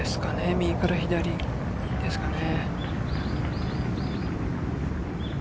右から左ですかね。